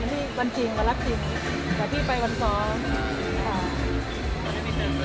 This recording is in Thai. วันที่วันจริงวันรักจริงแต่ที่ไปวันซ้อมอ่าไม่ได้เจอกัน